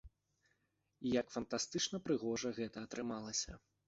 І як фантастычна прыгожа гэта атрымалася.